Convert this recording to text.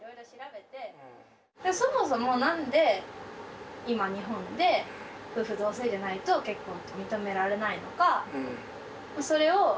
そもそも何で今日本で夫婦同姓でないと結婚って認められないのかそれを。